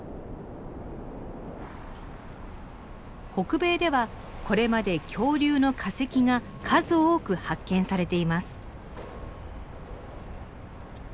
北米ではこれまで恐竜の化石が数多く発見されています。